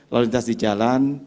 lokalitas di jalan